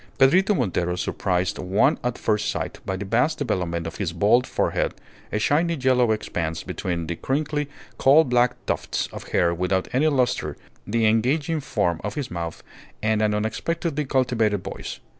Pedrito Montero surprised one at first sight by the vast development of his bald forehead, a shiny yellow expanse between the crinkly coal black tufts of hair without any lustre, the engaging form of his mouth, and an unexpectedly cultivated voice.